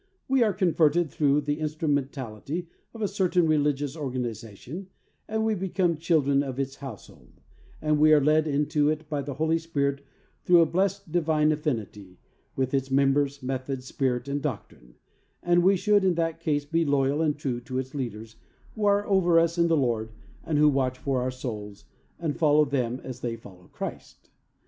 We are converted through the instrumentality of a certain religious organization, and we become chil dren of its household, or we are led into it by the Holy Spirit through a blessed, divine affinity with its members, methods, spirit and doctrine, and we should in that case be loyal and true to its leaders who are over us in the Lord and who watch for our souls, and follow them as they follow Christ.